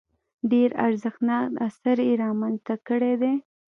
ډېر ارزښتناک اثار یې رامنځته کړي دي.